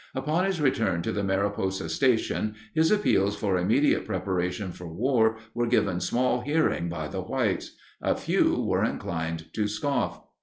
Upon his return to the Mariposa Station, his appeals for immediate preparation for war were given small hearing by the whites. A few were inclined to scoff.